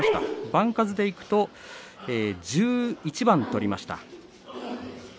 番数でいくと１１番取りました。